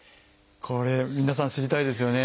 これ皆さん知りたいですよね。